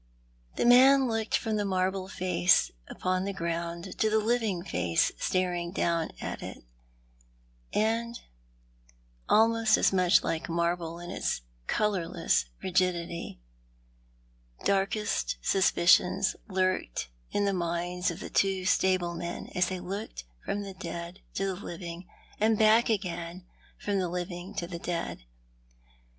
The man looked from the marble face upon the ground to the living face staring down at it, and almost as much like marble in its colourless rigidity. Darkest suspicions lurked in the minds of the two stablemen as they looked from the dead to the living, and back again from the living to the dead.